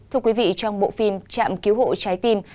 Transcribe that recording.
thưa quý vị trong bộ phim trạm cứu hộ trái tim